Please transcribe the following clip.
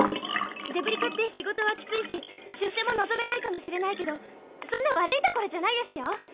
デブリ課って仕事はきついし出世も望めないかもしれないけどそんな悪い所じゃないですよ。